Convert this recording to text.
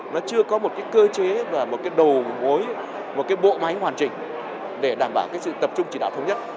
nó chưa có một cơ chế và một đầu mối một bộ máy hoàn chỉnh để đảm bảo sự tập trung chỉ đạo thống nhất